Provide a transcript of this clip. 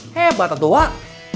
hebat tuh wak